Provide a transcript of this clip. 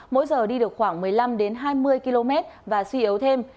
mỗi giờ đi được khoảng một mươi năm hai mươi km và suy yếu thêm